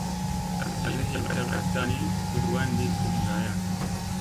Azi hin tagat ka ta ni tut wanɗi fun gaya.